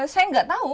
saya nggak tahu